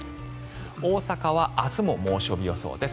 大阪は明日も猛暑日予想です。